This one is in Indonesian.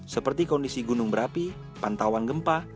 seperti kondisi gunung berapi pantauan gempa